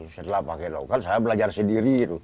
setelah pakai lokal saya belajar sendiri